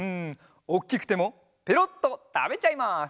おっきくてもペロッとたべちゃいます！